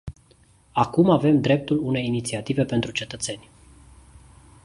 Acum avem dreptul unei inițiative pentru cetățeni.